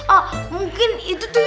ah mungkin itu tuh ya pak ustaz